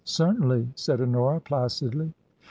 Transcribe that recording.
" Certainly," said Honora, placidly.